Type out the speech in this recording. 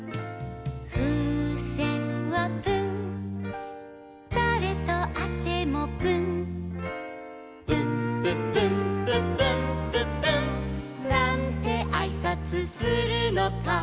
「ふうせんはプンだれとあってもプン」「プンプンプンプンプンプンプン」「なんてあいさつするのか」